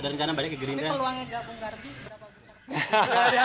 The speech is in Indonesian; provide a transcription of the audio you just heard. tapi kalau luarnya gabung garbi berapa besar